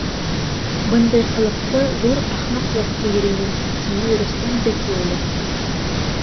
— Бындай ҡылыҡты ҙур ахмаҡлыҡ тиер инем, — тине Рөстәм Зәки улы.